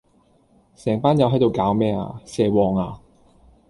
成班友喺度搞咩呀？蛇王呀？